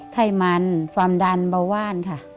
ไขมันความดันเบาว่า